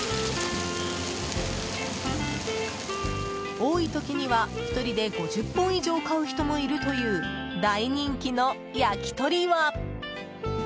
多い時には１人で５０本以上買う人もいるという大人気の焼き鳥は。